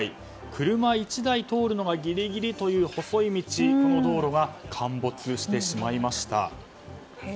車１台通るのがギリギリという細い道の道路が陥没してしまいました。